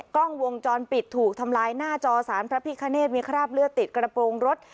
กล้องวงจรปิดถูกทำลายหน้าจอสารพระพิคเนธมีคราบเลือดติดกระโปรงรถ